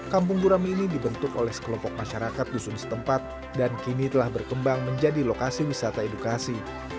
kampung gurami ini dibentuk oleh sekelompok masyarakat dusun setempat dan kini telah berkembang menjadi lokasi wisata edukasi